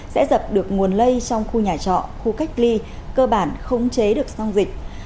sẽ dập được nguồn lây trong khu nhà trọ khu cách ly cơ bản không chế được xong dịch